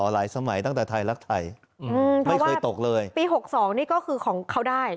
สมัยตั้งแต่ไทยรักไทยอืมไม่เคยตกเลยปีหกสองนี่ก็คือของเขาได้